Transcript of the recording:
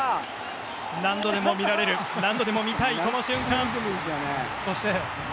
何度でも見られる何度でも見たいこの瞬間。